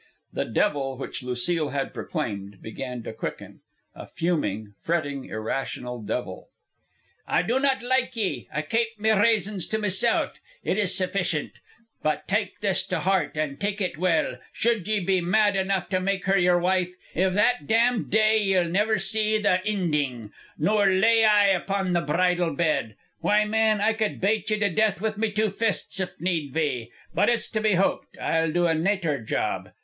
The devil, which Lucile had proclaimed, began to quicken, a fuming, fretting, irrational devil. "I do not like ye. I kape me raysons to meself. It is sufficient. But take this to heart, an' take it well: should ye be mad enough to make her yer wife, iv that damned day ye'll niver see the inding, nor lay eye upon the bridal bed. Why, man, I cud bate ye to death with me two fists if need be. But it's to be hoped I'll do a nater job.